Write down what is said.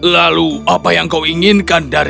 lalu apa yang kau inginkan dari